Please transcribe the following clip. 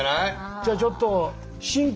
じゃあちょっと新旧の。